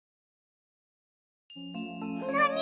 なに？